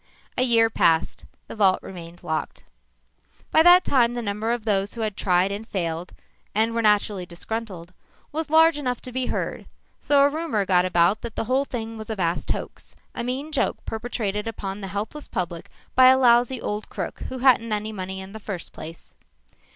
A year passed. The vault remained locked. By that time the number of those who had tried and failed, and were naturally disgruntled, was large enough to be heard, so a rumor got about that the whole thing was a vast hoax a mean joke perpetrated upon the helpless public by a lousy old crook who hadn't any money in the first place.